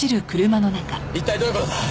一体どういう事だ？